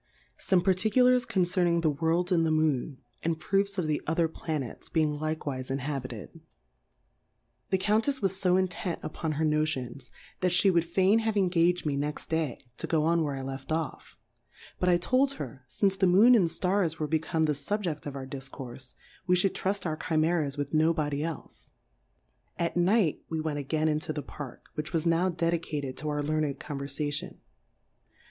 Some Particulars concerningthe World in the Moon, anaTraofsof ttje other Planets uting lit<eiX'ife h^hahited. S§^?2J^?f®HE Countefs was fo intent ^ T ^* upon her Notions, that ilie ^^^ s'i^ would fain have engagM me next Day, to go on where I left off; but 1 to d her, iince the Moon and Stars were become the Subject of our Difcourfe, we Ihould truil our Chy mera's with no body elie : At Night we went again into the Park, which was now dedicated to our learned Con verfation.